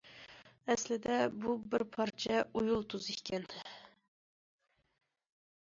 ئەسلىدە بۇ بىر پارچە ئۇيۇل تۇز ئىكەن.